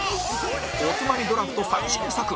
おつまみドラフト最新作